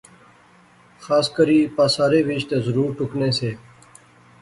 خاص کری پاسارے وچ تہ ضرور ٹکنے سے